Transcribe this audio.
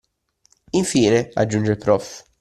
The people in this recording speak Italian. Infine aggiunge il prof.